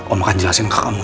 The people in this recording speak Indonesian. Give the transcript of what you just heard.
kamu akan jelasin ke kamu